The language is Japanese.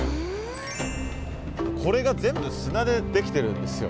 これが全部砂でできてるんですよ。